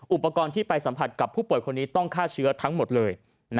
อุปกรณ์ที่ไปสัมผัสกับผู้ป่วยคนนี้ต้องฆ่าเชื้อทั้งหมดเลย